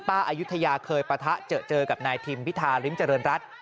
อายุทยาเคยปะทะเจอกับนายทิมพิธาริมเจริญรัฐ